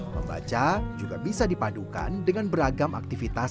membaca juga bisa dipadukan dengan beragam aktivitas